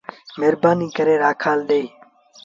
مهربآنيٚٚ ڪري رآکآل ڏي۔